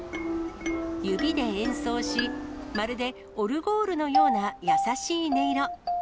指で演奏し、まるでオルゴールのような優しい音色。